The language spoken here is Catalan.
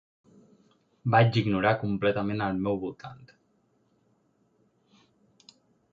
Vaig ignorar completament el meu voltant.